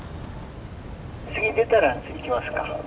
次出たら行きますか。